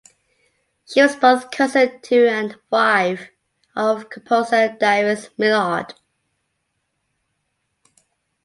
She was both cousin to and wife of composer Darius Milhaud.